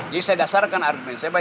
jadi saya dasarkan argumen saya